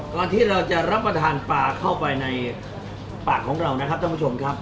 ก่อนที่เราจะรับประทานปลาเข้าไปในปากของเรานะครับท่านผู้ชมครับ